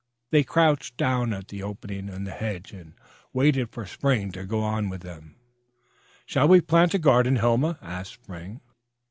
They crouched down at the opening in the hedge and waited for Spring to go on with them. "Shall we plant the garden, Helma?" asked Spring.